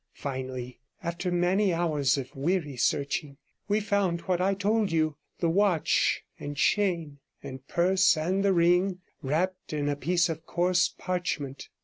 Finally, after many hours of weary searching, we found what I told you — the watch and chain, and purse, and the ring — wrapped in a piece of coarse ment.